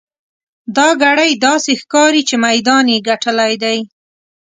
دا ګړی داسې ښکاري چې میدان یې ګټلی دی.